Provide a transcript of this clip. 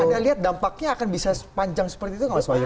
anda lihat dampaknya akan bisa sepanjang seperti itu nggak mas wahyu